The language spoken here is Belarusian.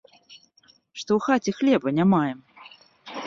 Што ў хаце хлеба не маем.